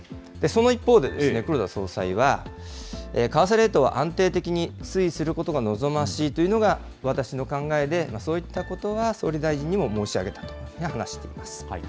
その一方で、黒田総裁は、為替レートは安定的に推移することが望ましいというのが私の考えで、そういったことは総理大臣にも申し上げたと話しています。